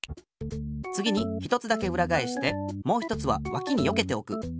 つぎに１つだけうらがえしてもう１つはわきによけておく。